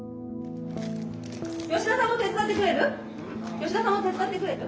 吉田さんも手伝ってくれる？